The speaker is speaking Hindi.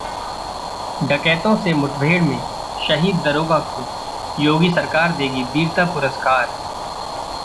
डकैतों से मुठभेड़ में शहीद दरोगा को योगी सरकार देगी वीरता पुरस्कार